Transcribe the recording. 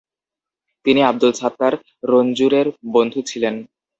তিনি আব্দুল সাত্তার রঞ্জুরের বন্ধু ছিলেন।